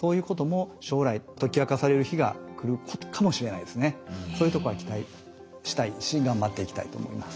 そういうそういうとこは期待したいし頑張っていきたいと思います。